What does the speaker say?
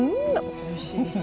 おいしいです